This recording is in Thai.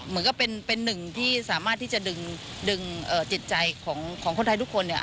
เหมือนกับเป็นหนึ่งที่สามารถที่จะดึงจิตใจของคนไทยทุกคนเนี่ย